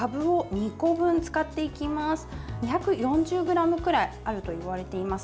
２４０ｇくらいあるといわれています。